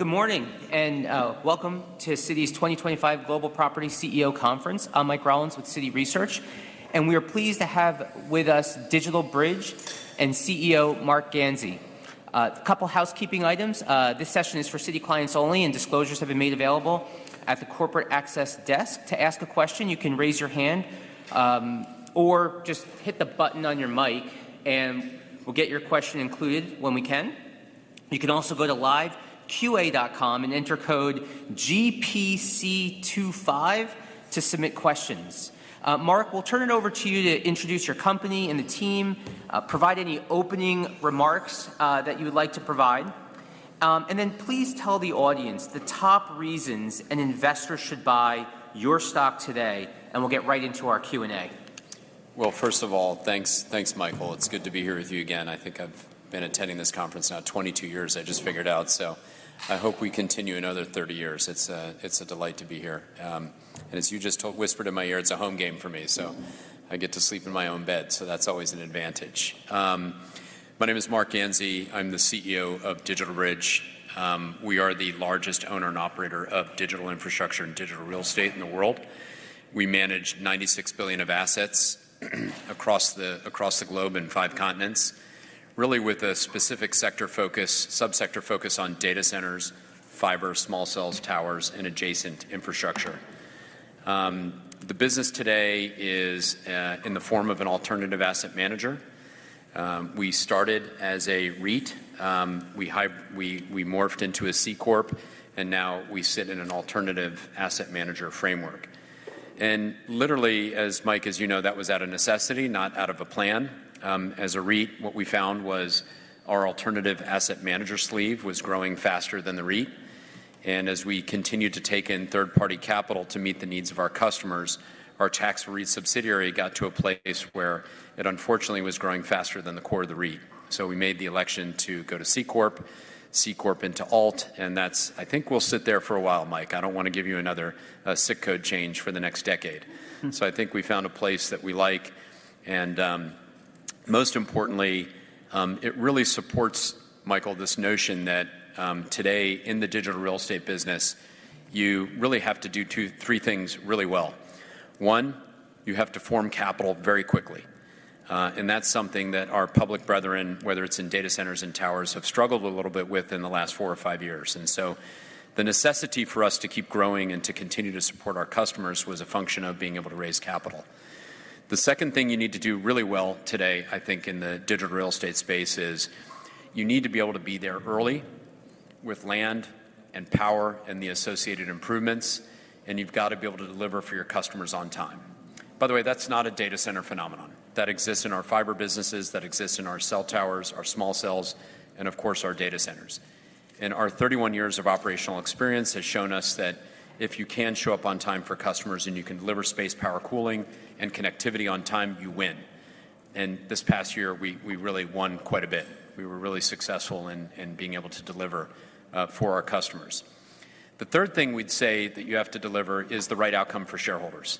Good morning and welcome to Citi's 2025 Global Property CEO Conference. I'm Mike Rollins with Citi Research, and we are pleased to have with us DigitalBridge and CEO Marc Ganzi. A couple of housekeeping items: this session is for Citi clients only, and disclosures have been made available at the corporate access desk. To ask a question, you can raise your hand or just hit the button on your mic, and we'll get your question included when we can. You can also go to live.q4.com and enter code GPC25 to submit questions. Marc, we'll turn it over to you to introduce your company and the team, provide any opening remarks that you would like to provide, and then please tell the audience the top reasons an investor should buy your stock today, and we'll get right into our Q&A. First of all, thanks, Mike. It's good to be here with you again. I think I've been attending this conference for 22 years, I just figured out, so I hope we continue another 30 years. It's a delight to be here. As you just whispered in my ear, it's a home game for me, so I get to sleep in my own bed, so that's always an advantage. My name is Marc Ganzi. I'm the CEO of DigitalBridge. We are the largest owner and operator of digital infrastructure and digital real estate in the world. We manage $96 billion of assets across the globe and five continents, really with a specific subsector focus on data centers, fiber, small cells, towers, and adjacent infrastructure. The business today is in the form of an alternative asset manager. We started as a REIT. We morphed into a C corp, and now we sit in an alternative asset manager framework. And literally, as you know, Mike, that was out of necessity, not out of a plan. As a REIT, what we found was our alternative asset manager sleeve was growing faster than the REIT. And as we continued to take in third-party capital to meet the needs of our customers, our tax-free subsidiary got to a place where it unfortunately was growing faster than the core of the REIT. So we made the election to go to C corp, C corp into alt, and that's, I think, we'll sit there for a while, Mike. I don't want to give you another zip code change for the next decade. So I think we found a place that we like. Most importantly, it really supports, Mike, this notion that today in the digital real estate business, you really have to do three things really well. One, you have to form capital very quickly. That's something that our public brethren, whether it's in data centers and towers, have struggled a little bit with in the last four or five years. So the necessity for us to keep growing and to continue to support our customers was a function of being able to raise capital. The second thing you need to do really well today, I think, in the digital real estate space is you need to be able to be there early with land and power and the associated improvements, and you've got to be able to deliver for your customers on time. By the way, that's not a data center phenomenon. That exists in our fiber businesses, that exists in our cell towers, our small cells, and of course, our data centers, and our 31 years of operational experience has shown us that if you can show up on time for customers and you can deliver space, power, cooling, and connectivity on time, you win. And this past year, we really won quite a bit. We were really successful in being able to deliver for our customers. The third thing we'd say that you have to deliver is the right outcome for shareholders,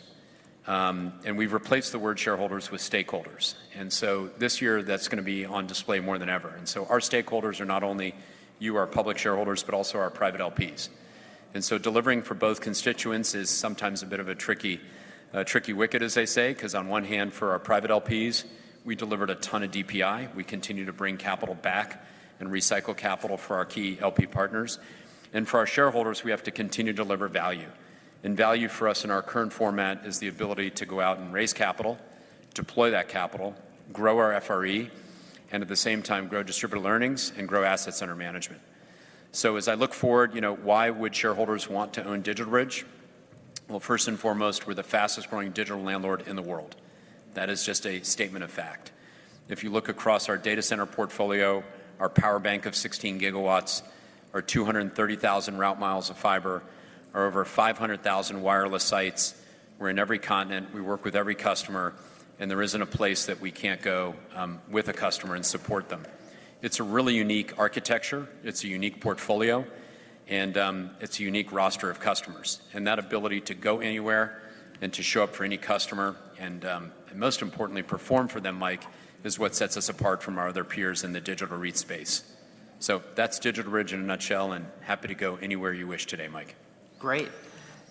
and we've replaced the word shareholders with stakeholders, and so this year, that's going to be on display more than ever, and so our stakeholders are not only you, our public shareholders, but also our private LPs. And so delivering for both constituents is sometimes a bit of a tricky wicket, as they say, because on one hand, for our private LPs, we delivered a ton of DPI. We continue to bring capital back and recycle capital for our key LP partners. And for our shareholders, we have to continue to deliver value. And value for us in our current format is the ability to go out and raise capital, deploy that capital, grow our FRE, and at the same time, grow distributable earnings and grow assets under management. So as I look forward, why would shareholders want to own DigitalBridge? Well, first and foremost, we're the fastest growing digital landlord in the world. That is just a statement of fact. If you look across our data center portfolio, our power bank of 16 GW, our 230,000 route miles of fiber, our over 500,000 wireless sites, we're in every continent, we work with every customer, and there isn't a place that we can't go with a customer and support them. It's a really unique architecture. It's a unique portfolio, and it's a unique roster of customers. And that ability to go anywhere and to show up for any customer and, most importantly, perform for them, Mike, is what sets us apart from our other peers in the digital REIT space. So that's DigitalBridge in a nutshell, and happy to go anywhere you wish today, Mike. Great.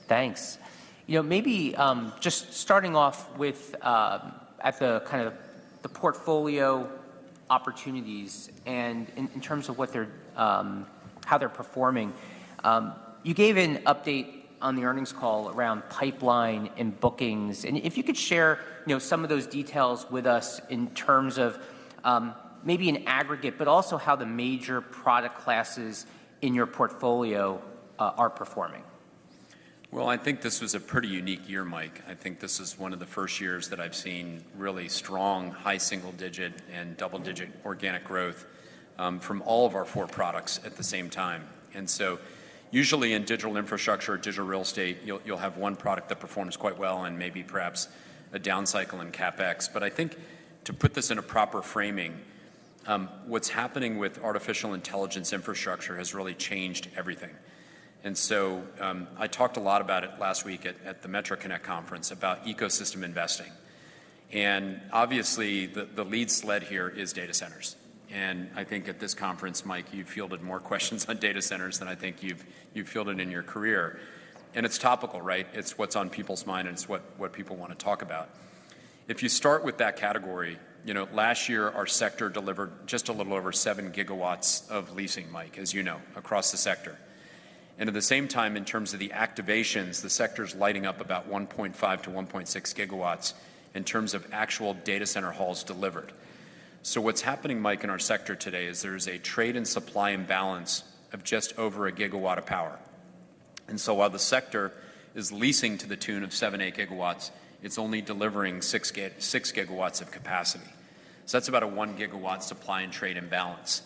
Thanks. Maybe just starting off with kind of the portfolio opportunities and in terms of how they're performing, you gave an update on the earnings call around pipeline and bookings. And if you could share some of those details with us in terms of maybe an aggregate, but also how the major product classes in your portfolio are performing. I think this was a pretty unique year, Mike. I think this is one of the first years that I've seen really strong, high single-digit and double-digit organic growth from all of our four products at the same time. Usually in digital infrastructure or digital real estate, you'll have one product that performs quite well and maybe perhaps a down cycle in CapEx. I think to put this in a proper framing, what's happening with artificial intelligence infrastructure has really changed everything. I talked a lot about it last week at the Metro Connect Conference about ecosystem investing. Obviously, the lead sled here is data centers. I think at this conference, Mike, you've fielded more questions on data centers than I think you've fielded in your career. It's topical, right? It's what's on people's mind, and it's what people want to talk about. If you start with that category, last year, our sector delivered just a little over 7 GW of leasing, Mike, as you know, across the sector. And at the same time, in terms of the activations, the sector's lighting up about 1.5 GW-1.6 GW in terms of actual data center halls delivered. So what's happening, Mike, in our sector today is there is a trade-in-supply imbalance of just over 1GW of power. And so while the sector is leasing to the tune of 7 GW-8 GW, it's only delivering 6 GW of capacity. So that's about a 1 GW supply and trade imbalance.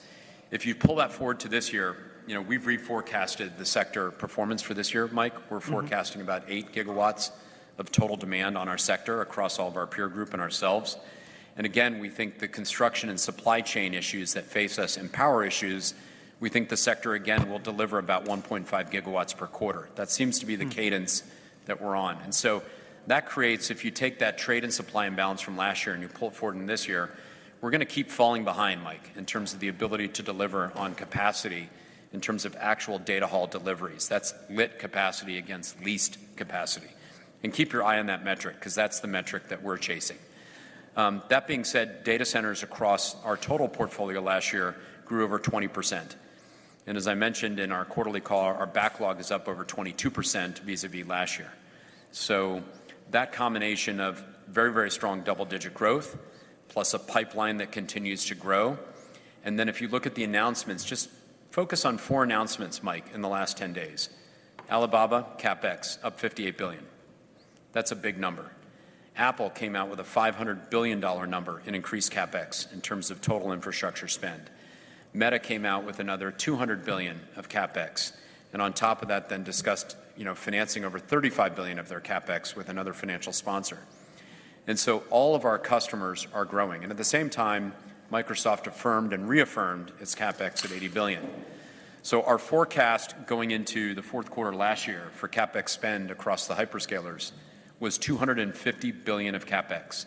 If you pull that forward to this year, we've reforecasted the sector performance for this year, Mike. We're forecasting about 8 GW of total demand on our sector across all of our peer group and ourselves, and again, we think the construction and supply chain issues that face us and power issues, we think the sector, again, will deliver about 1.5 GW per quarter. That seems to be the cadence that we're on, and so that creates, if you take that trade-in-supply imbalance from last year and you pull it forward in this year, we're going to keep falling behind, Mike, in terms of the ability to deliver on capacity, in terms of actual data hall deliveries. That's lit capacity against leased capacity, and keep your eye on that metric because that's the metric that we're chasing. That being said, data centers across our total portfolio last year grew over 20%. And as I mentioned in our quarterly call, our backlog is up over 22% vis-à-vis last year. So that combination of very, very strong double-digit growth plus a pipeline that continues to grow. And then if you look at the announcements, just focus on four announcements, Mike, in the last 10 days. Alibaba, CapEx, up $58 billion. That's a big number. Apple came out with a $500 billion number in increased CapEx in terms of total infrastructure spend. Meta came out with another $200 billion of CapEx. And on top of that, then discussed financing over $35 billion of their CapEx with another financial sponsor. And so all of our customers are growing. And at the same time, Microsoft affirmed and reaffirmed its CapEx at $80 billion. So our forecast going into the fourth quarter last year for CapEx spend across the hyperscalers was $250 billion of CapEx.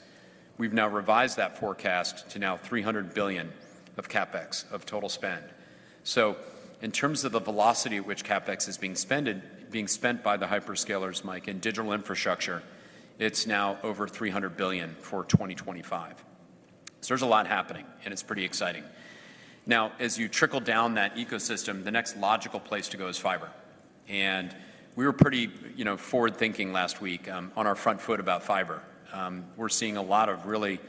We've now revised that forecast to $300 billion of CapEx of total spend. In terms of the velocity at which CapEx is being spent by the hyperscalers, Mike, in digital infrastructure, it's now over $300 billion for 2025. There's a lot happening, and it's pretty exciting. As you trickle down that ecosystem, the next logical place to go is fiber. We were pretty forward-thinking last week on our front foot about fiber. We're seeing a lot of really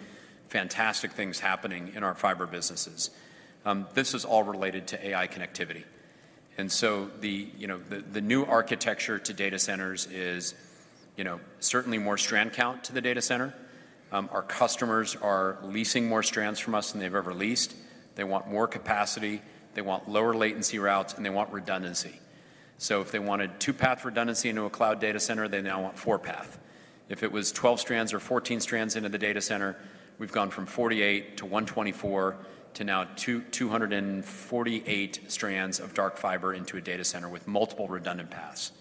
fantastic things happening in our fiber businesses. This is all related to AI connectivity. The new architecture to data centers is certainly more strand count to the data center. Our customers are leasing more strands from us than they've ever leased. They want more capacity. They want lower latency routes, and they want redundancy. So if they wanted two-path redundancy into a cloud data center, they now want four-path. If it was 12 strands or 14 strands into the data center, we've gone from 48 to 124 to now 248 strands of dark fiber into a data center with multiple redundant paths.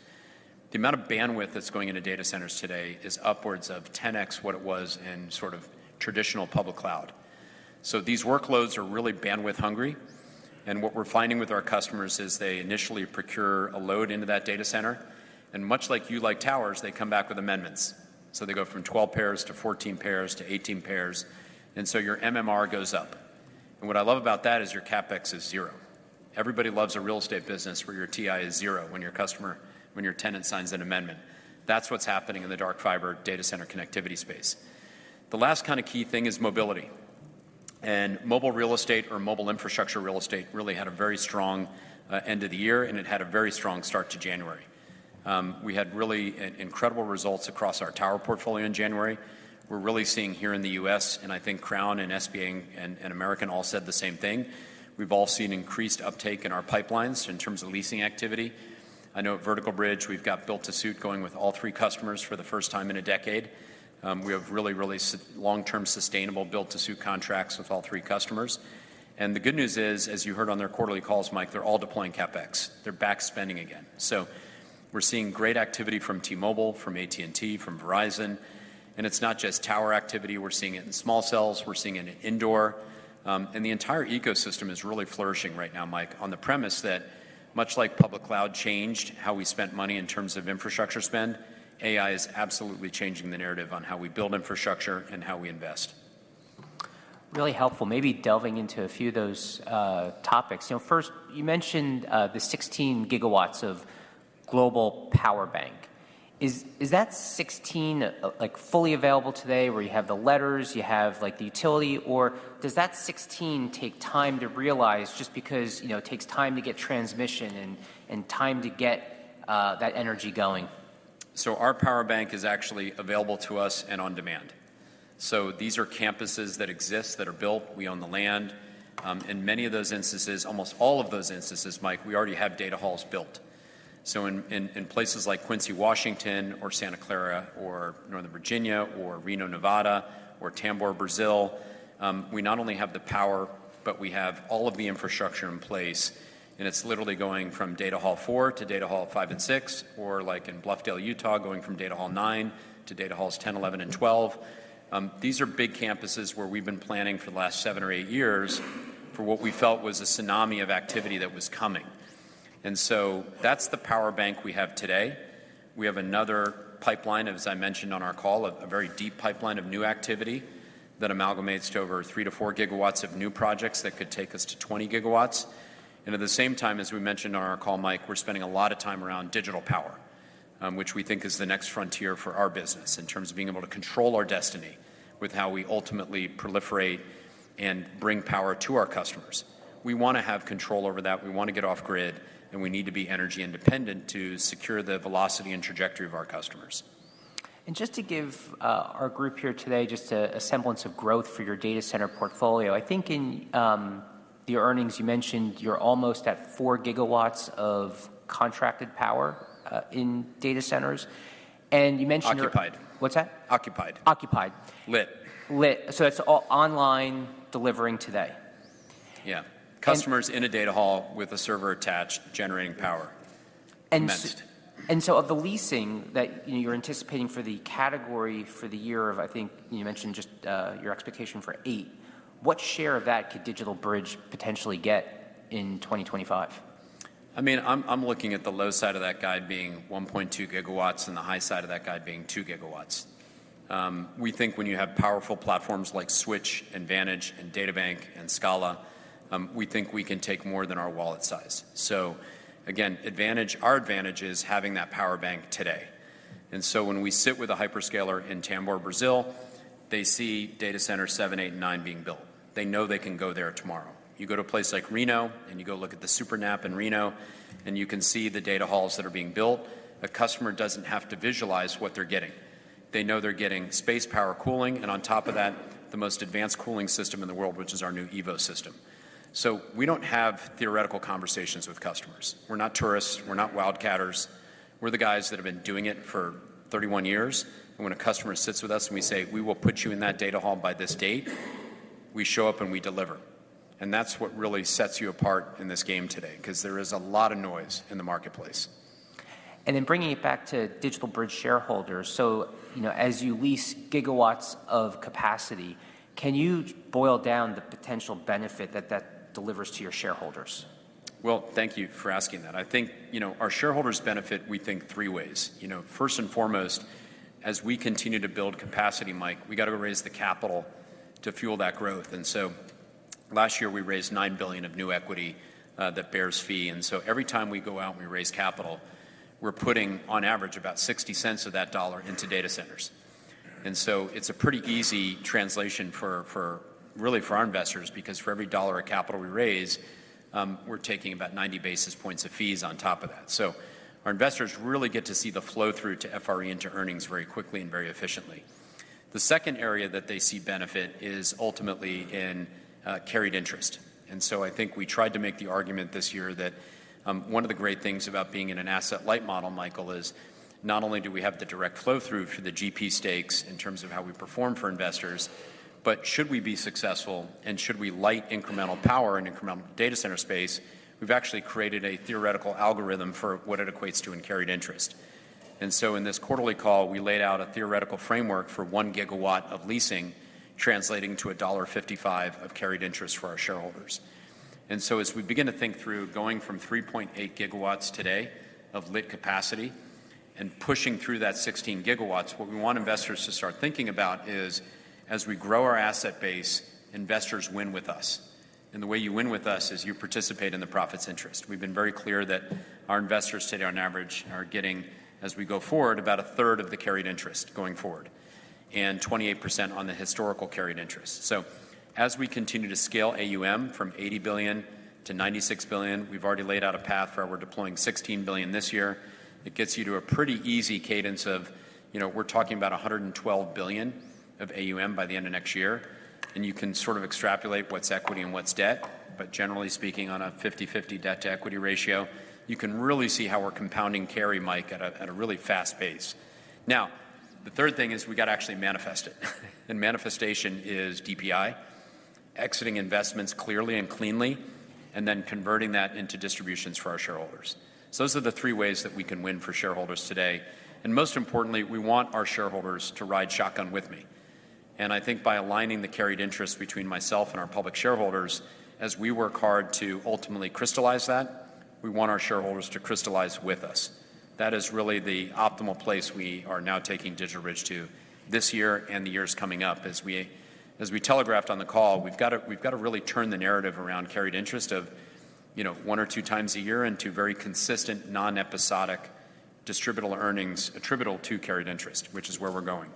The amount of bandwidth that's going into data centers today is upwards of 10x what it was in sort of traditional public cloud. So these workloads are really bandwidth-hungry. And what we're finding with our customers is they initially procure a load into that data center. And much like you like towers, they come back with amendments. So they go from 12 pairs to 14 pairs to 18 pairs. And so your MRR goes up. And what I love about that is your CapEx is zero. Everybody loves a real estate business where your TI is zero when your customer, when your tenant signs an amendment. That's what's happening in the dark fiber data center connectivity space. The last kind of key thing is mobility. Mobile real estate or mobile infrastructure real estate really had a very strong end of the year, and it had a very strong start to January. We had really incredible results across our tower portfolio in January. We're really seeing here in the U.S., and I think Crown and SBA and American all said the same thing. We've all seen increased uptake in our pipelines in terms of leasing activity. I know at Vertical Bridge, we've got built-to-suit going with all three customers for the first time in a decade. We have really, really long-term sustainable built-to-suit contracts with all three customers. The good news is, as you heard on their quarterly calls, Mike, they're all deploying CapEx. They're back spending again. So we're seeing great activity from T-Mobile, from AT&T, from Verizon. And it's not just tower activity. We're seeing it in small cells. We're seeing it in indoor. And the entire ecosystem is really flourishing right now, Mike, on the premise that much like public cloud changed how we spent money in terms of infrastructure spend, AI is absolutely changing the narrative on how we build infrastructure and how we invest. Really helpful. Maybe delving into a few of those topics. First, you mentioned the 16 GW of global power bank. Is that 16 GW fully available today where you have the letters, you have the utility, or does that 16 GW take time to realize just because it takes time to get transmission and time to get that energy going? So our power bank is actually available to us and on demand. So these are campuses that exist that are built. We own the land. In many of those instances, almost all of those instances, Mike, we already have data halls built. So in places like Quincy, Washington, or Santa Clara, or Northern Virginia, or Reno, Nevada, or Tamboré, Brazil, we not only have the power, but we have all of the infrastructure in place. And it's literally going from data hall four to data hall five and six, or like in Bluffdale, Utah, going from data hall nine to data halls 10, 11, and 12. These are big campuses where we've been planning for the last seven or eight years for what we felt was a tsunami of activity that was coming. And so that's the power bank we have today. We have another pipeline, as I mentioned on our call, a very deep pipeline of new activity that amalgamates to over 3-4 GW of new projects that could take us to 20 GW. And at the same time, as we mentioned on our call, Mike, we're spending a lot of time around digital power, which we think is the next frontier for our business in terms of being able to control our destiny with how we ultimately proliferate and bring power to our customers. We want to have control over that. We want to get off-grid, and we need to be energy independent to secure the velocity and trajectory of our customers. And just to give our group here today just a semblance of growth for your data center portfolio, I think in the earnings, you mentioned you're almost at 4 GW of contracted power in data centers. Occupied. What's that? Occupied. Occupied. Lit. Lit. So it's online, delivering today. Yeah. Customers in a data hall with a server attached generating power. Of the leasing that you're anticipating for the category for the year of, I think you mentioned just your expectation for eight, what share of that could DigitalBridge potentially get in 2025? I mean, I'm looking at the low side of that guy being 1.2 GW and the high side of that guy being 2 GW. We think when you have powerful platforms like Switch and Vantage and DataBank and Scala, we think we can take more than our wallet size. So again, our advantage is having that power bank today. And so when we sit with a hyperscaler in Tamboré, Brazil, they see data center seven, eight, and nine being built. They know they can go there tomorrow. You go to a place like Reno and you go look at the SUPERNAP in Reno, and you can see the data halls that are being built. A customer doesn't have to visualize what they're getting. They know they're getting space, power, cooling and on top of that, the most advanced cooling system in the world, which is our new Evo system]. So we don't have theoretical conversations with customers. We're not tourists. We're not wildcatters. We're the guys that have been doing it for 31 years. And when a customer sits with us and we say, "We will put you in that data hall by this date," we show up and we deliver. And that's what really sets you apart in this game today because there is a lot of noise in the marketplace. And then bringing it back to DigitalBridge shareholders, so as you lease gigawatts of capacity, can you boil down the potential benefit that that delivers to your shareholders? Thank you for asking that. I think our shareholders benefit, we think, three ways. First and foremost, as we continue to build capacity, Mike, we got to raise the capital to fuel that growth. And so last year, we raised $9 billion of new equity that bears fee. And so every time we go out and we raise capital, we're putting on average about $0.60 of that dollar into data centers. And so it's a pretty easy translation really for our investors because for every dollar of capital we raise, we're taking about 90 basis points of fees on top of that. So our investors really get to see the flow through to FRE into earnings very quickly and very efficiently. The second area that they see benefit is ultimately in carried interest. I think we tried to make the argument this year that one of the great things about being in an asset light model, Michael, is not only do we have the direct flow through for the GP stakes in terms of how we perform for investors, but should we be successful and should we light incremental power and incremental data center space, we've actually created a theoretical algorithm for what it equates to in carried interest. In this quarterly call, we laid out a theoretical framework for one gigawatt of leasing translating to $1.55 of carried interest for our shareholders. As we begin to think through going from 3.8 GW today of lit capacity and pushing through that 16 GW, what we want investors to start thinking about is as we grow our asset base, investors win with us. And the way you win with us is you participate in the profits interest. We've been very clear that our investors today, on average, are getting, as we go forward, about 1/3 of the carried interest going forward and 28% on the historical carried interest. So as we continue to scale AUM from $80 billion to $96 billion, we've already laid out a path for where we're deploying $16 billion this year. It gets you to a pretty easy cadence of we're talking about $112 billion of AUM by the end of next year. And you can sort of extrapolate what's equity and what's debt. But generally speaking, on a 50/50 debt to equity ratio, you can really see how we're compounding carry, Mike, at a really fast pace. Now, the third thing is we got to actually manifest it. And manifestation is DPI, exiting investments clearly and cleanly, and then converting that into distributions for our shareholders. So those are the three ways that we can win for shareholders today. And most importantly, we want our shareholders to ride shotgun with me. And I think by aligning the carried interest between myself and our public shareholders, as we work hard to ultimately crystallize that, we want our shareholders to crystallize with us. That is really the optimal place we are now taking DigitalBridge to this year and the years coming up. As we telegraphed on the call, we've got to really turn the narrative around carried interest of one or two times a year into very consistent non-episodic distributable earnings attributable to carried interest, which is where we're going.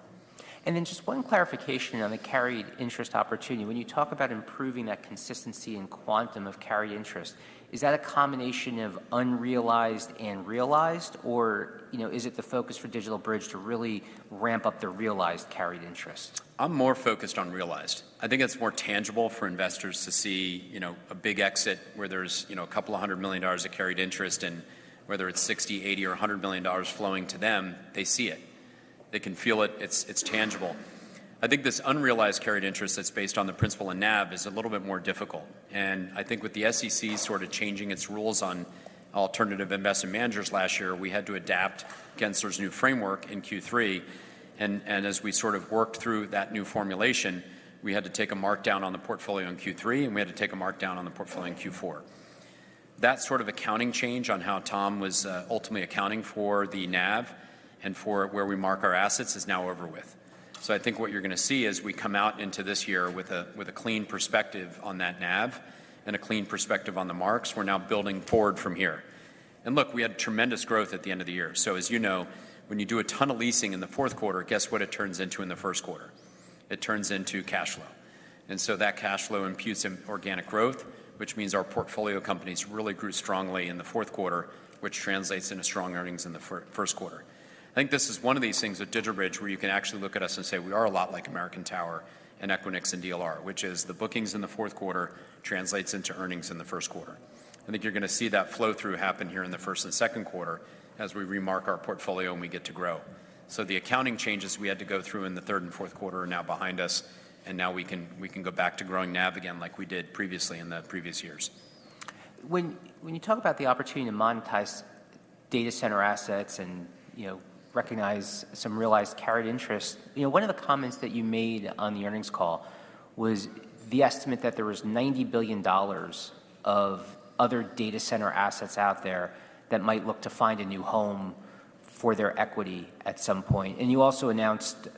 Then just one clarification on the carried interest opportunity. When you talk about improving that consistency and quantum of carried interest, is that a combination of unrealized and realized, or is it the focus for DigitalBridge to really ramp up the realized carried interest? I'm more focused on realized. I think it's more tangible for investors to see a big exit where there's $200 million of carried interest and whether it's $60 million, $80 million, or $100 million flowing to them, they see it. They can feel it. It's tangible. I think this unrealized carried interest that's based on the principal of NAV is a little bit more difficult. And I think with the SEC sort of changing its rules on alternative investment managers last year, we had to adapt, as there's a new framework in Q3. And as we sort of worked through that new formulation, we had to take a markdown on the portfolio in Q3, and we had to take a markdown on the portfolio in Q4. That sort of accounting change on how Tom was ultimately accounting for the NAV and for where we mark our assets is now over with. So I think what you're going to see is we come out into this year with a clean perspective on that NAV and a clean perspective on the marks. We're now building forward from here. And look, we had tremendous growth at the end of the year. So as you know, when you do a ton of leasing in the fourth quarter, guess what it turns into in the first quarter? It turns into cash flow. And so that cash flow imputes in organic growth, which means our portfolio companies really grew strongly in the fourth quarter, which translates into strong earnings in the first quarter. I think this is one of these things with DigitalBridge where you can actually look at us and say we are a lot like American Tower and Equinix and DLR, which is the bookings in the fourth quarter translates into earnings in the first quarter. I think you're going to see that flow through happen here in the first and second quarter as we remark our portfolio and we get to grow. So the accounting changes we had to go through in the third and fourth quarter are now behind us. And now we can go back to growing NAV again like we did previously in the previous years. When you talk about the opportunity to monetize data center assets and recognize some realized carried interest, one of the comments that you made on the earnings call was the estimate that there was $90 billion of other data center assets out there that might look to find a new home for their equity at some point, and you also announced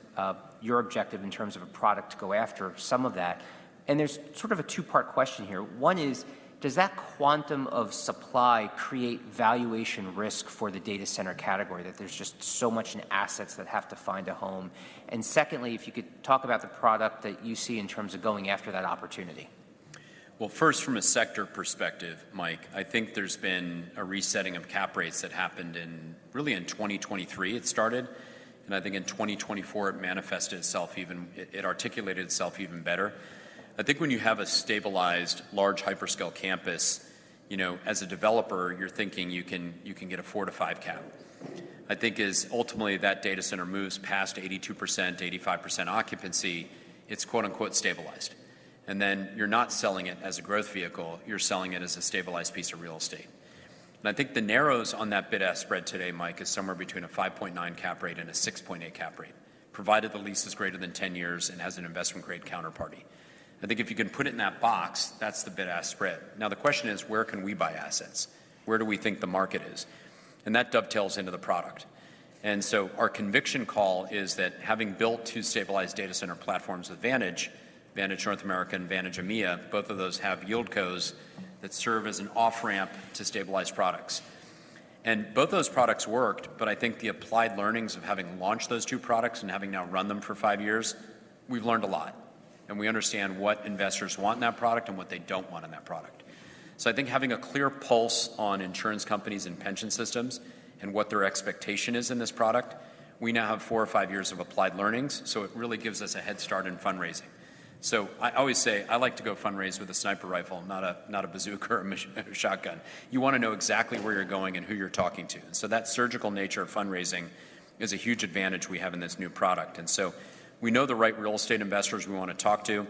your objective in terms of a product to go after some of that, and there's sort of a two-part question here. One is, does that quantum of supply create valuation risk for the data center category that there's just so much in assets that have to find a home, and secondly, if you could talk about the product that you see in terms of going after that opportunity. First, from a sector perspective, Mike, I think there's been a resetting of cap rates that happened really in 2023. It started. I think in 2024, it manifested itself even. It articulated itself even better. I think when you have a stabilized large hyperscale campus, as a developer, you're thinking you can get a 4%-5% cap. I think as ultimately that data center moves past 82%-85% occupancy, it's, "stabilized". Then you're not selling it as a growth vehicle. You're selling it as a stabilized piece of real estate. I think it narrows on that bid-ask spread today, Mike, is somewhere between a 5.9% cap rate and a 6.8% cap rate, provided the lease is greater than 10 years and has an investment-grade counterparty. I think if you can put it in that box, that's the bid-ask spread. Now, the question is, where can we buy assets? Where do we think the market is? And that dovetails into the product. And so our conviction call is that having built two stabilized data center platforms with Vantage, Vantage North America and Vantage EMEA, both of those have yield codes that serve as an off-ramp to stabilized products. And both those products worked, but I think the applied learnings of having launched those two products and having now run them for five years, we've learned a lot. And we understand what investors want in that product and what they don't want in that product. So I think having a clear pulse on insurance companies and pension systems and what their expectation is in this product, we now have four or five years of applied learnings. So it really gives us a head start in fundraising. So I always say I like to go fundraise with a sniper rifle, not a bazooka or a shotgun. You want to know exactly where you're going and who you're talking to. And so that surgical nature of fundraising is a huge advantage we have in this new product. And so we know the right real estate investors we want to talk to.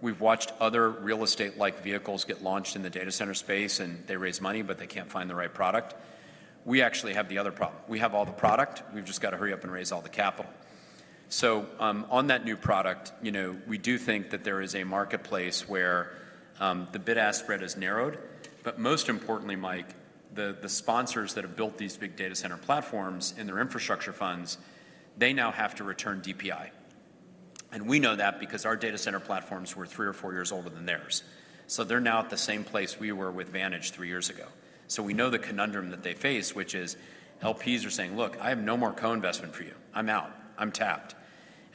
We've watched other real estate-like vehicles get launched in the data center space, and they raise money, but they can't find the right product. We actually have the other problem. We have all the product. We've just got to hurry up and raise all the capital. So on that new product, we do think that there is a marketplace where the bid-ask spread is narrowed. But most importantly, Mike, the sponsors that have built these big data center platforms and their infrastructure funds, they now have to return DPI. We know that because our data center platforms were three or four years older than theirs. So they're now at the same place we were with Vantage three years ago. So we know the conundrum that they face, which is LPs are saying, "Look, I have no more co-investment for you. I'm out. I'm tapped."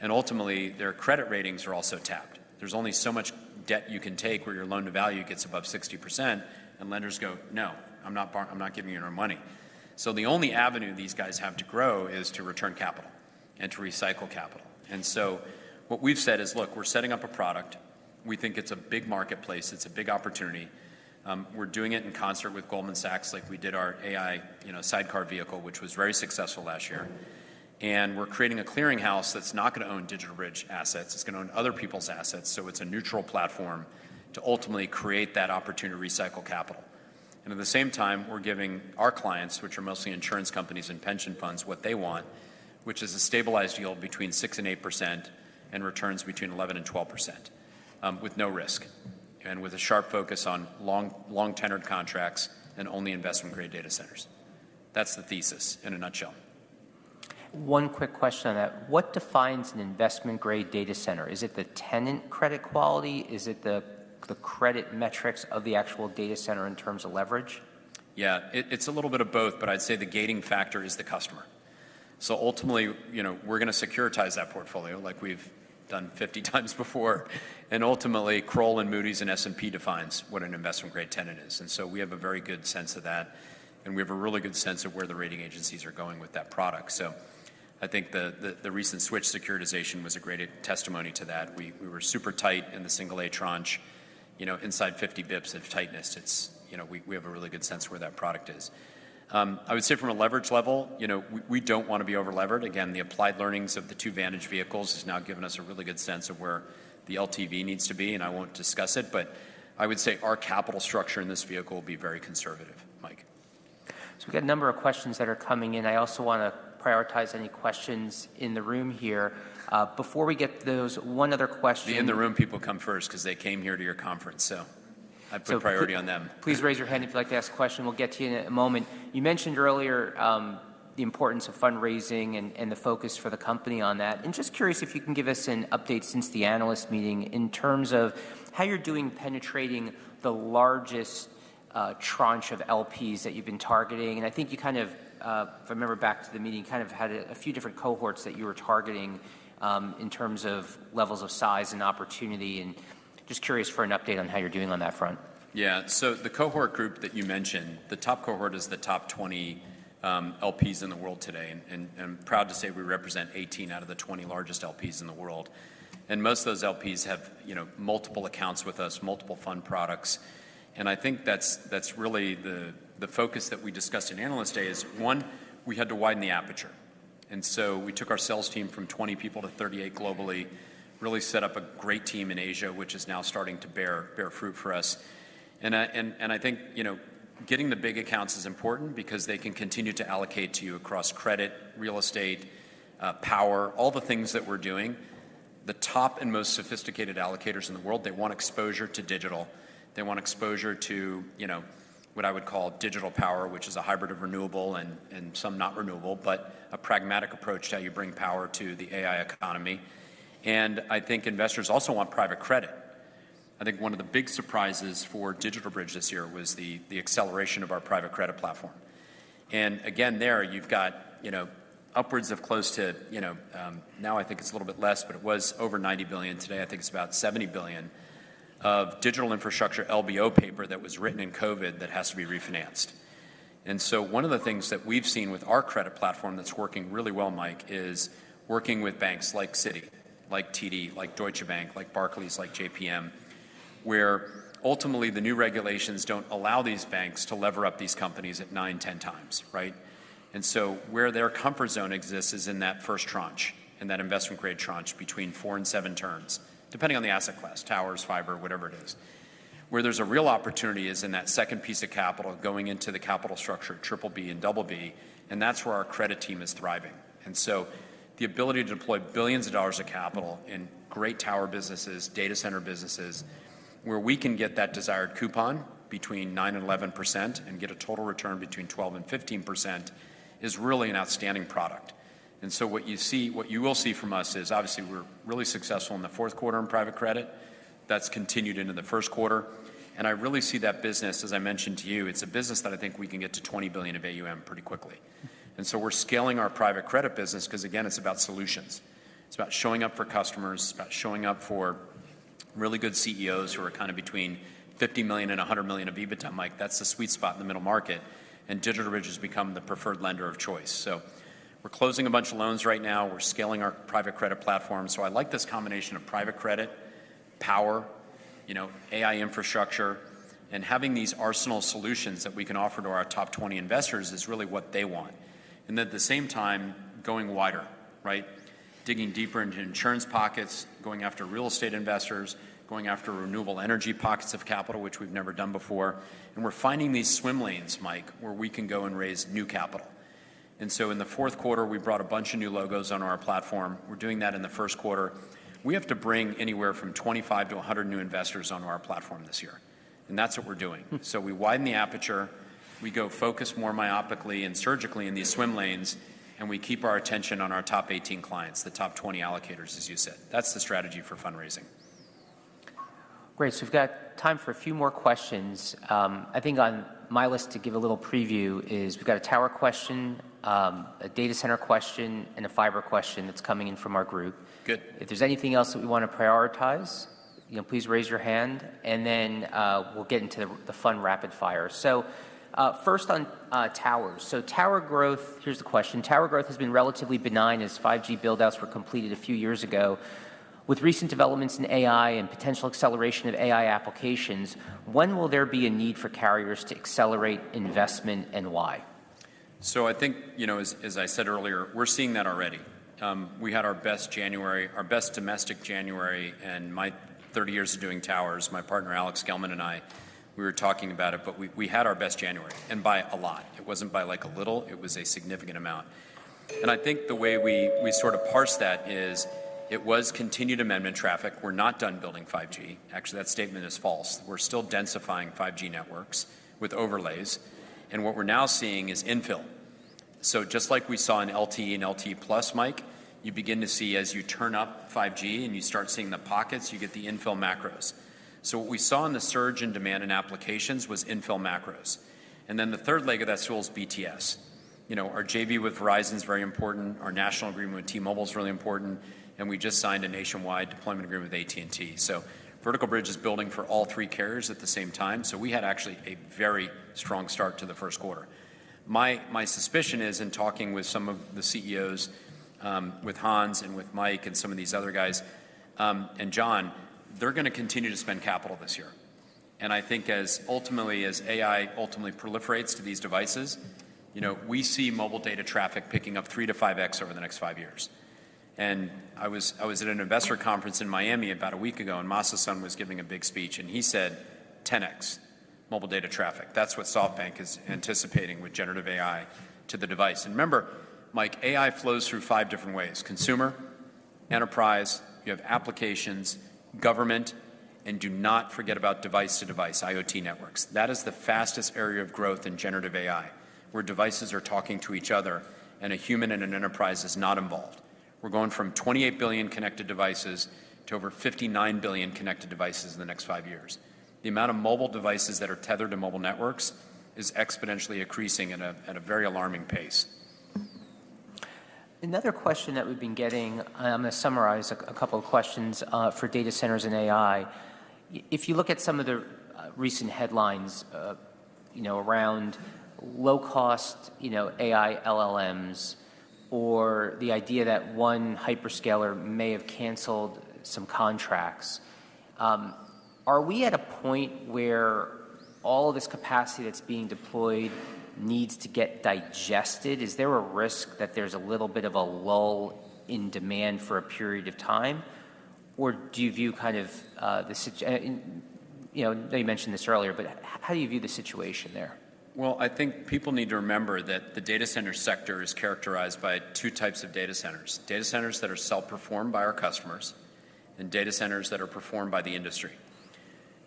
And ultimately, their credit ratings are also tapped. There's only so much debt you can take where your loan to value gets above 60%, and lenders go, "No, I'm not giving you our money." So the only avenue these guys have to grow is to return capital and to recycle capital. And so what we've said is, "Look, we're setting up a product. We think it's a big marketplace. It's a big opportunity." We're doing it in concert with Goldman Sachs like we did our AI sidecar vehicle, which was very successful last year. And we're creating a clearinghouse that's not going to own DigitalBridge assets. It's going to own other people's assets. So it's a neutral platform to ultimately create that opportunity to recycle capital. And at the same time, we're giving our clients, which are mostly insurance companies and pension funds, what they want, which is a stabilized yield between 6% and 8% and returns between 11% and 12% with no risk and with a sharp focus on long tenor contracts and only investment-grade data centers. That's the thesis in a nutshell. One quick question on that. What defines an investment-grade data center? Is it the tenant credit quality? Is it the credit metrics of the actual data center in terms of leverage? Yeah, it's a little bit of both, but I'd say the gating factor is the customer. So ultimately, we're going to securitize that portfolio like we've done 50x before. And ultimately, Kroll and Moody's and S&P defines what an investment-grade tenant is. And so we have a very good sense of that. And we have a really good sense of where the rating agencies are going with that product. So I think the recent Switch securitization was a great testimony to that. We were super tight in the single-A tranche. Inside 50 basis points of tightness, we have a really good sense of where that product is. I would say from a leverage level, we don't want to be over-levered. Again, the applied learnings of the two-Vantage vehicles have now given us a really good sense of where the LTV needs to be. I won't discuss it, but I would say our capital structure in this vehicle will be very conservative, Mike. So we've got a number of questions that are coming in. I also want to prioritize any questions in the room here. The in-the-room people come first because they came here to your conference. So I put priority on them. Please raise your hand if you'd like to ask a question. We'll get to you in a moment. You mentioned earlier the importance of fundraising and the focus for the company on that. And just curious if you can give us an update since the analyst meeting in terms of how you're doing penetrating the largest tranche of LPs that you've been targeting. And I think you kind of, if I remember back to the meeting, kind of had a few different cohorts that you were targeting in terms of levels of size and opportunity. And just curious for an update on how you're doing on that front. Yeah. So the cohort group that you mentioned, the top cohort is the top 20 LPs in the world today. And I'm proud to say we represent 18 out of the 20 largest LPs in the world. And most of those LPs have multiple accounts with us, multiple fund products. And I think that's really the focus that we discussed in analyst day is one, we had to widen the aperture. And so we took our sales team from 20 people to 38 globally, really set up a great team in Asia, which is now starting to bear fruit for us. And I think getting the big accounts is important because they can continue to allocate to you across credit, real estate, power, all the things that we're doing. The top and most sophisticated allocators in the world, they want exposure to digital. They want exposure to what I would call digital power, which is a hybrid of renewable and some not renewable, but a pragmatic approach to how you bring power to the AI economy. I think investors also want private credit. I think one of the big surprises for DigitalBridge this year was the acceleration of our private credit platform. And again, there you've got upwards of close to now I think it's a little bit less, but it was over $90 billion. Today, I think it's about $70 billion of digital infrastructure LBO paper that was written in COVID that has to be refinanced. And so one of the things that we've seen with our credit platform that's working really well, Mike, is working with banks like Citi, like TD, like Deutsche Bank, like Barclays, like JPM, where ultimately the new regulations don't allow these banks to lever up these companies at 9x, 10x, right? And so where their comfort zone exists is in that first tranche, in that investment-grade tranche between four and seven turns, depending on the asset class, towers, fiber, whatever it is. Where there's a real opportunity is in that second piece of capital going into the capital structure, triple B and double B, and that's where our credit team is thriving. And so the ability to deploy billions of dollars of capital in great tower businesses, data center businesses, where we can get that desired coupon between 9%-11% and get a total return between 12%-15% is really an outstanding product. And so what you see, what you will see from us is obviously we're really successful in the fourth quarter in private credit. That's continued into the first quarter. And I really see that business, as I mentioned to you, it's a business that I think we can get to 20 billion of AUM pretty quickly. And so we're scaling our private credit business because, again, it's about solutions. It's about showing up for customers. It's about showing up for really good CEOs who are kind of between $50 million and $100 million of EBITDA, Mike. That's the sweet spot in the middle market and DigitalBridge has become the preferred lender of choice. We're closing a bunch of loans right now. We're scaling our private credit platform. I like this combination of private credit, power, AI infrastructure, and having these arsenal solutions that we can offer to our top 20 investors is really what they want. At the same time, going wider, right? Digging deeper into insurance pockets, going after real estate investors, going after renewable energy pockets of capital, which we've never done before. We're finding these swim lanes, Mike, where we can go and raise new capital. In the fourth quarter, we brought a bunch of new logos on our platform. We're doing that in the first quarter. We have to bring anywhere from 25-100 new investors on our platform this year. That's what we're doing. We widen the aperture. We go to focus more myopically and surgically in these swim lanes, and we keep our attention on our top 18 clients, the top 20 allocators, as you said. That's the strategy for fundraising. Great. So we've got time for a few more questions. I think on my list to give a little preview is we've got a tower question, a data center question, and a fiber question that's coming in from our group. Good. If there's anything else that we want to prioritize, please raise your hand. And then we'll get into the fun rapid fire. So first on towers. So tower growth, here's the question. Tower growth has been relatively benign as 5G buildouts were completed a few years ago. With recent developments in AI and potential acceleration of AI applications, when will there be a need for carriers to accelerate investment and why? So, I think, as I said earlier, we're seeing that already. We had our best January, our best domestic January. And my 30 years of doing towers, my partner, Alex Gellman, and I, we were talking about it, but we had our best January. And by a lot, it wasn't by like a little. It was a significant amount. And I think the way we sort of parse that is it was continued amendment traffic. We're not done building 5G. Actually, that statement is false. We're still densifying 5G networks with overlays. And what we're now seeing is infill. So just like we saw in LTE and LTE+, Mike, you begin to see as you turn up 5G and you start seeing the pockets, you get the infill macros. So what we saw in the surge in demand and applications was infill macros. And then the third leg of that stool is BTS. Our JV with Verizon is very important. Our national agreement with T-Mobile is really important. And we just signed a nationwide deployment agreement with AT&T. So Vertical Bridge is building for all three carriers at the same time. So we had actually a very strong start to the first quarter. My suspicion is in talking with some of the CEOs, with Hans and with Mike and some of these other guys and John, they're going to continue to spend capital this year. And I think ultimately, as AI ultimately proliferates to these devices, we see mobile data traffic picking up three to 5x over the next five years. And I was at an investor conference in Miami about a week ago, and Masa Son was giving a big speech. And he said, "10x mobile data traffic." That's what SoftBank is anticipating with generative AI to the device. And remember, Mike, AI flows through five different ways: consumer, enterprise, you have applications, government, and do not forget about device-to-device IoT networks. That is the fastest area of growth in generative AI, where devices are talking to each other and a human and an enterprise is not involved. We're going from 28 billion connected devices to over 59 billion connected devices in the next five years. The amount of mobile devices that are tethered to mobile networks is exponentially increasing at a very alarming pace. Another question that we've been getting. I'm going to summarize a couple of questions for data centers and AI. If you look at some of the recent headlines around low-cost AI LLMs or the idea that one hyperscaler may have canceled some contracts, are we at a point where all of this capacity that's being deployed needs to get digested? Is there a risk that there's a little bit of a lull in demand for a period of time? Or do you view kind of, you mentioned this earlier, but how do you view the situation there? I think people need to remember that the data center sector is characterized by two types of data centers: data centers that are self-performed by our customers and data centers that are performed by the industry.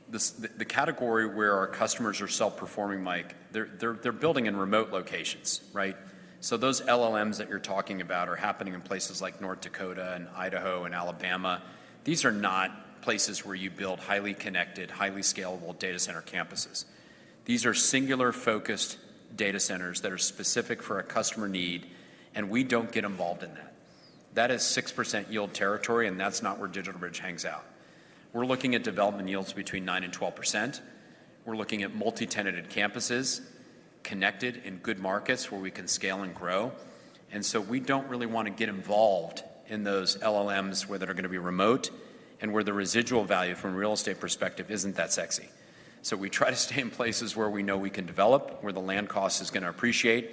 The category where our customers are self-performing, Mike, they're building in remote locations, right? So those LLMs that you're talking about are happening in places like North Dakota and Idaho and Alabama. These are not places where you build highly connected, highly scalable data center campuses. These are singular-focused data centers that are specific for a customer need, and we don't get involved in that. That is 6% yield territory, and that's not where DigitalBridge hangs out. We're looking at development yields between 9% and 12%. We're looking at multi-tenanted campuses, connected in good markets where we can scale and grow. And so we don't really want to get involved in those LLMs where they're going to be remote and where the residual value from a real estate perspective isn't that sexy. So we try to stay in places where we know we can develop, where the land cost is going to appreciate,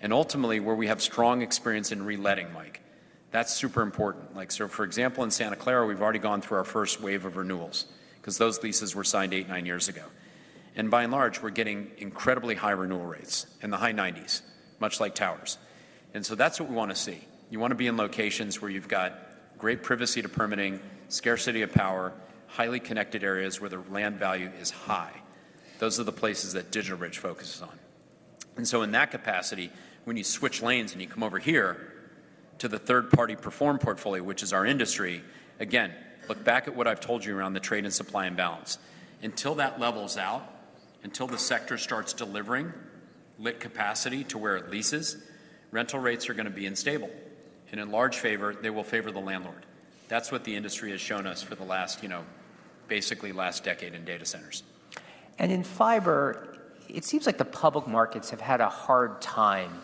and ultimately where we have strong experience in reletting, Mike. That's super important. So for example, in Santa Clara, we've already gone through our first wave of renewals because those leases were signed eight, nine years ago. And by and large, we're getting incredibly high renewal rates in the high 90s%, much like towers. And so that's what we want to see. You want to be in locations where you've got great proximity to permitting, scarcity of power, highly connected areas where the land value is high. Those are the places that DigitalBridge focuses on. And so in that capacity, when you switch lanes and you come over here to the third-party pure-play portfolio, which is our industry, again, look back at what I've told you around the trade and supply and balance. Until that levels out, until the sector starts delivering lit capacity to where it leases, rental rates are going to be unstable. And in large favor, they will favor the landlord. That's what the industry has shown us for the basically last decade in data centers. In fiber, it seems like the public markets have had a hard time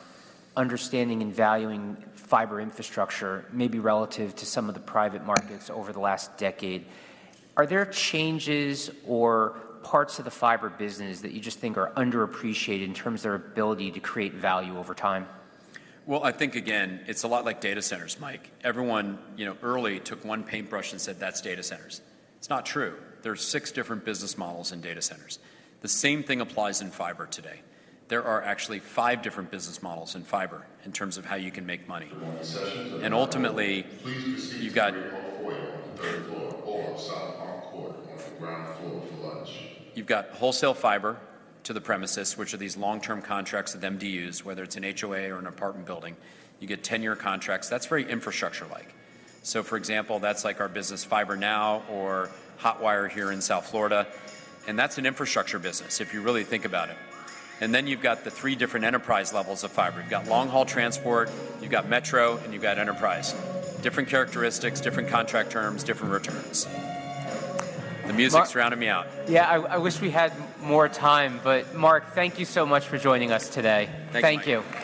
understanding and valuing fiber infrastructure, maybe relative to some of the private markets over the last decade. Are there changes or parts of the fiber business that you just think are underappreciated in terms of their ability to create value over time? I think, again, it's a lot like data centers, Mike. Everyone early took one paintbrush and said, "That's data centers." It's not true. There are six different business models in data centers. The same thing applies in fiber today. There are actually five different business models in fiber in terms of how you can make money. And ultimately, you've got wholesale fiber to the premises, which are these long-term contracts with MDUs, whether it's an HOA or an apartment building. You get 10-year contracts. That's very infrastructure-like. So for example, that's like our business Fibernow or Hotwire here in South Florida. And that's an infrastructure business if you really think about it. And then you've got the three different enterprise levels of fiber. You've got long-haul transport, you've got metro, and you've got enterprise. Different characteristics, different contract terms, different returns. The music's rounding me out. Yeah, I wish we had more time, but Marc, thank you so much for joining us today. Thank you. Thank you.